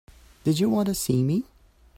Did you want to see me?